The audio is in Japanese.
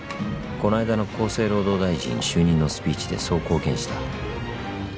この間の厚生労働大臣就任のスピーチでそう公言した。